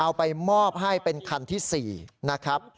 เอาไปมอบให้เป็นคันที่๔นะครับ